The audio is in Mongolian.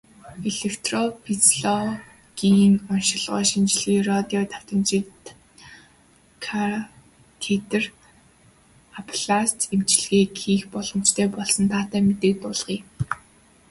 Электрофизиологийн оношилгоо, шинжилгээ, радио давтамжит катетр аблаци эмчилгээг хийх боломжтой болсон таатай мэдээг дуулгая.